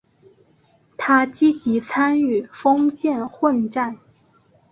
他积极参与封建混战。